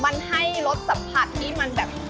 มันให้รสสัมผัสนี่มันแบบ